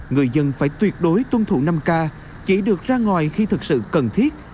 người dân phải tuyệt đối tuân thủ năm k chỉ được ra ngoài khi thực sự cần thiết